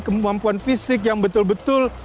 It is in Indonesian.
kemampuan fisik yang betul betul